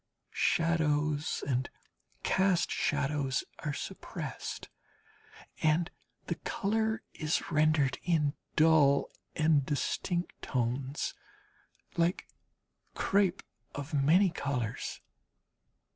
Shadows and cast shadows are suppressed, and the colour is rendered in dull and distinct tones like crape of many colours.